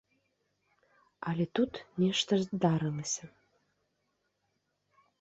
Але тут нешта здарылася.